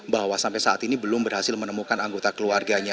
bahwa sampai saat ini belum berhasil menemukan anggota keluarganya